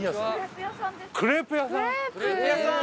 クレープ屋さん！